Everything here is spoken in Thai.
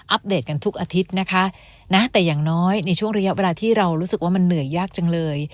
เดตกันทุกอาทิตย์นะคะนะแต่อย่างน้อยในช่วงระยะเวลาที่เรารู้สึกว่ามันเหนื่อยยากจังเลย